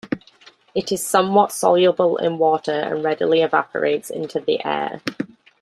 It is somewhat soluble in water and readily evaporates into the air.